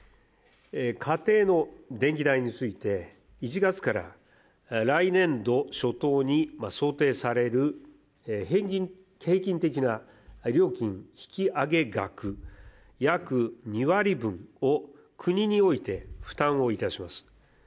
家庭の電気代について、１月から来年度初頭に想定される平均的な料金引き上げ額約２割分を国において負担をいたします。